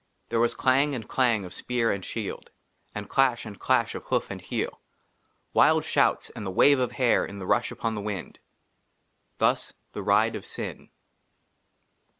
THERE WAS CLANG AND CLANG OF SPEAR AND SHIELD, AND CLASH AND CLASH OF HOOF AND HEEL, WILD SHOUTS AND THE WAVE OF HAIR IN THE RUSH UPON THE WIND! THUS THE RIDE OF SIN.